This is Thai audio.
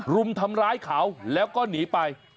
รุมทำร้ายเขาแล้วก็หนีไป